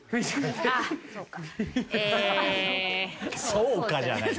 「そうか」じゃない。